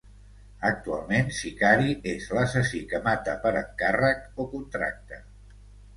Actualment sicari és l'assassí que mata per encàrrec o contracte.